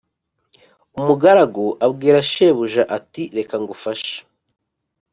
Umugaragu abwira shebuja ati reka ngufashe